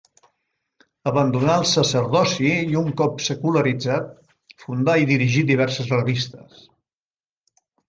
Abandonà el sacerdoci i un cop secularitzat fundà i dirigí diverses revistes.